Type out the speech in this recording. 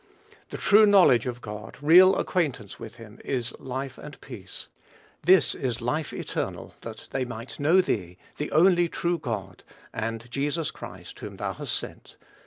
The true knowledge of God, real acquaintance with him, is life and peace. "This is life eternal, that they might know thee, the only true God, and Jesus Christ whom thou hast sent."